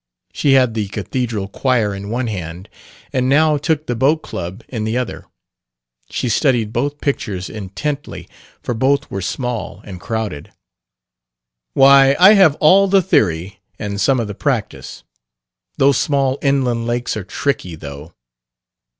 She had the cathedral choir in one hand and now took the boat club in the other. She studied both pictures intently, for both were small and crowded. "Why, I have all the theory and some of the practice. Those small inland lakes are tricky, though."